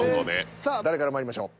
さあ誰からまいりましょう？